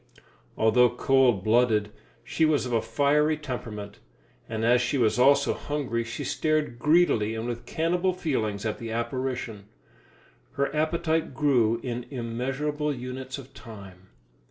Although cold blooded, she was of a fiery temperament, and as she was also hungry, she stared greedily and with cannibal feelings at the apparition. Her appetite grew in immeasurable units of time.